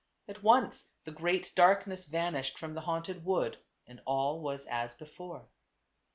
At once the great darkness vanished from the haunted wood and all was as before.